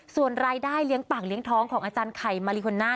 ส่วนรายได้เลี้ยงปากเลี้ยงท้องของอาจารย์ไข่มาริโฮน่า